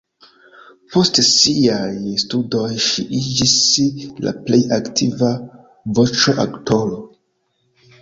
Post siaj studoj ŝi iĝis la plej aktiva voĉoaktoro.